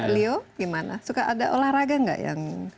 leo gimana suka ada olahraga nggak yang